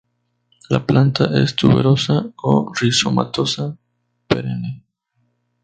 La planta es tuberosa o rizomatosa perenne.